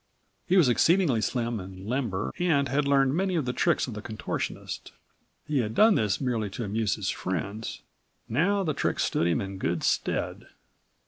He was exceedingly slim and limber and had learned many of the tricks of the contortionist. He had done this merely to amuse his friends. Now the tricks stood him in good stead.